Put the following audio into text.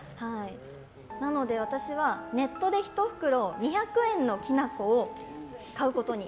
なので私はネットで１袋２００円のきな粉を買うことに。